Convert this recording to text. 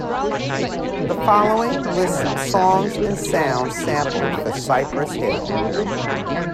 The following lists some songs and sounds sampled for "Cypress Hill".